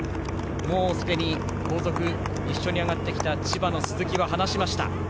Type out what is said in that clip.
もうすでに後続、一緒に上がってきた千葉の鈴木は離しました。